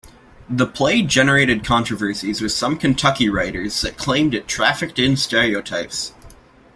The play generated controversy with some Kentucky writers that claimed it trafficked in stereotypes.